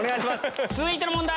続いての問題